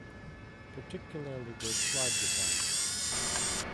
Particularly good slide guitar.